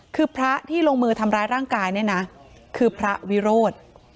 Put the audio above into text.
คือพระที่ลงมือทำร้ายร่างกายเนี่ยนะคือพระวิโรธ